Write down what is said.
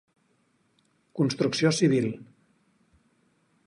Construcció Civil: